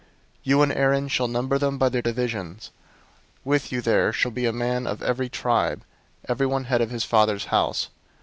You and Aaron shall number them by their divisions. 001:004 With you there shall be a man of every tribe; everyone head of his fathers' house.